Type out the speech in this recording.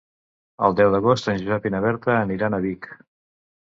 El deu d'agost en Josep i na Berta aniran a Vic.